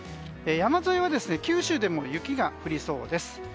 山沿いは九州でも雪が降りそうです。